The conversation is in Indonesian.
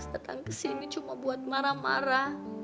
kok mas dateng kesini cuma buat marah marah